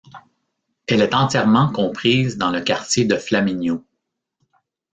Elle est entièrement comprise dans le quartier de Flaminio.